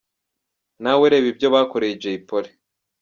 Na we reba ibyo bakoreye Jay Polly.